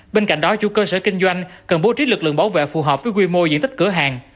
bên cạnh đó chủ cơ sở kinh doanh cần bố trí lực lượng bảo vệ phù hợp với quy mô diện tích cửa hàng